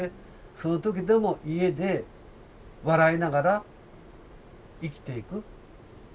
その時でも家で笑いながら生きていく。